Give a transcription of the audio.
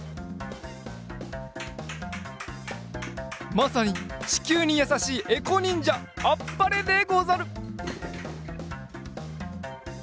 まさにちきゅうにやさしいエコにんじゃあっぱれでござる！